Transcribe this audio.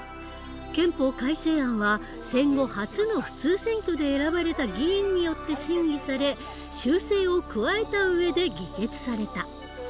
憲法改正案は戦後初の普通選挙で選ばれた議員によって審議され修正を加えた上で議決された。